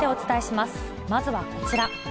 まずはこちら。